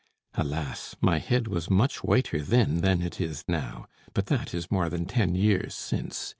Alas! my head was much whiter then than it is now. But that is more than ten years since!"